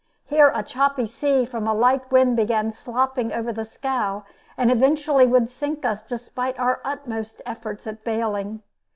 Here a choppy sea from a light wind began slopping over the scow and evidently would sink us despite our utmost efforts at bailing.